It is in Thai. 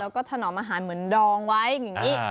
แล้วก็ถนอมอาหารเหมือนดองไว้อย่างนี้